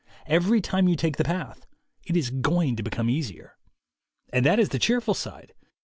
Every time you take the path it is going to become easier. And that is the cheerful side.